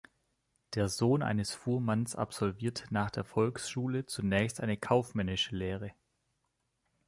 Der Sohn eines Fuhrmanns absolvierte nach der Volksschule zunächst eine kaufmännische Lehre.